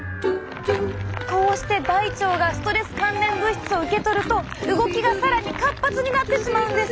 こうして大腸がストレス関連物質を受け取ると動きが更に活発になってしまうんです。